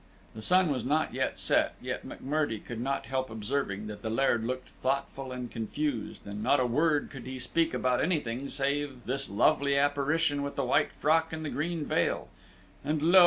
The sun was not yet set, yet M'Murdie could not help observing that the Laird looked thoughtful and confused, and not a word could he speak about anything save this lovely apparition with the white frock and the green veil; and lo!